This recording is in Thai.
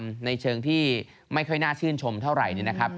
เรื่องที่ไม่ค่อยน่าชื่นชมเท่าไหร่